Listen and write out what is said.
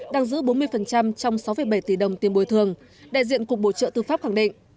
đang giữ bốn mươi trong sáu bảy tỷ đồng tiền bồi thường đại diện cục bổ trợ tư pháp khẳng định